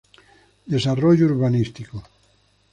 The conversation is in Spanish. Desarrollo urbanístico.